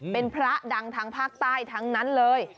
เป็นพระดังทางภาคใต้ทั้งนั้นเลย